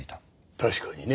確かにね